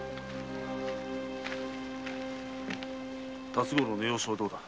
辰五郎の様子はどうだ？